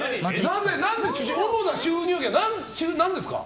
主な収入源は何ですか？